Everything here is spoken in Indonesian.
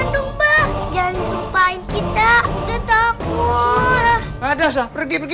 jangan sumpahin kita takut pergi pergi